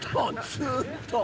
ずっと！